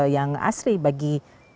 yang asli bagi